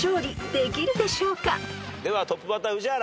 ではトップバッター宇治原。